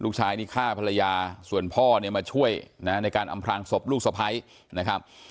ลูกชายนี่ฆ่าภรรยาส่วนพ่อเนี่ยมาช่วยนะในการอำพลางศพลูกสะพ้ายนะครับ